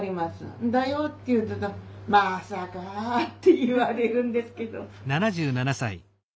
「んだよ」って言うけど「まさか」って言われるんですけど。